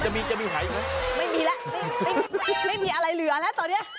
ไม่มีละไม่มีอะไรเหลือแล้วตอนนี้